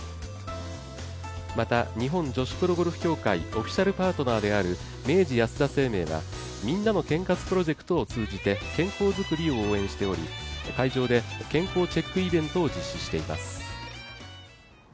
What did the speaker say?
また、日本女子プロゴルフ協会オフィシャルパートナーである明治安田生命は、みんなの健活プロジェクトを通じて健康づくりを応援しており、会場で健康チェックイベントを実施しています。